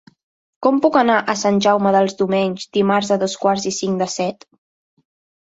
Com puc anar a Sant Jaume dels Domenys dimarts a dos quarts i cinc de set?